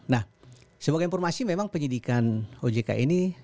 nah sebagai informasi memang penyidikan ojk ini